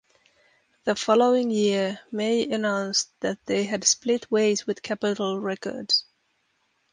The following year, Mae announced that they had split ways with Capitol Records.